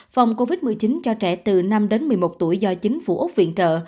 phòng covid một mươi chín cho trẻ từ năm đến một mươi một tuổi do chính phủ úc viện trợ